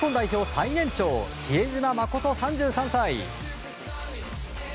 最年長比江島慎、３３歳。